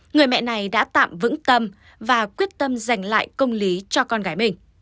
người mẹ này đã tạm vững tâm và quyết tâm giành lại công lý cho con gái mình